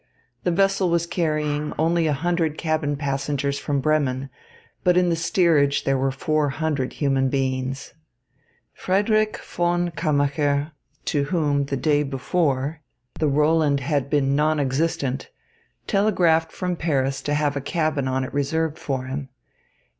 The vessel was carrying only a hundred cabin passengers from Bremen; but in the steerage there were four hundred human beings. Frederick von Kammacher, to whom, the day before, the Roland had been non existent, telegraphed from Paris to have a cabin on it reserved for him.